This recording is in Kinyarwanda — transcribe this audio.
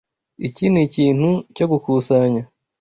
Iki nikintu cyo gukusanya.